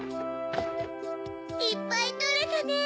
いっぱいとれたね。